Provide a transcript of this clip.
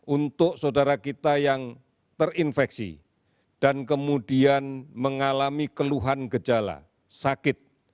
untuk saudara kita yang terinfeksi dan kemudian mengalami keluhan gejala sakit